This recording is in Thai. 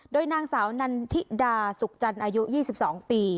โดยนางสาวนันทิดาสุขจันทร์อายุ๒๒ปี